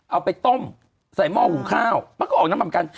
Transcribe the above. เอาไปต้มใส่หม้อหูข้าวมันก็ออกน้ำมันกัน